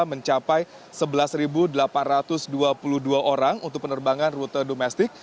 mencapai sebelas delapan ratus dua puluh dua orang untuk penerbangan rute domestik